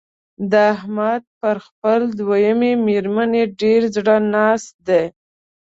د احمد پر خپله دويمه مېرمنه ډېر زړه ناست دی.